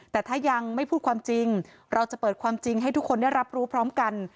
แต่ถ้ายังไม่พูดความจริงเราจะเปิดความจริงให้ทุกคนได้รับรู้พร้อมกัน